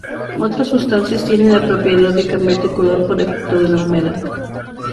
Otras sustancias tienen la propiedad de cambiar de color por efecto de la humedad.